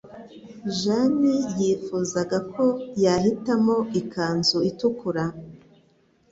Jeanne yifuzaga ko yahitamo ikanzu itukura.